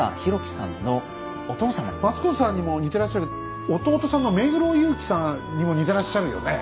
松方さんにも似てらっしゃる弟さんの目黒祐樹さんにも似てらっしゃるよね。